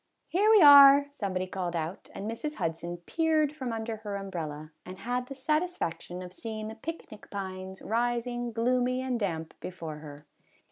" Here we are, " somebody called out, and Mrs. Hudson peered from under her umbrella, and had the satisfaction of seeing the picnic pines rising gloomy and damp before her.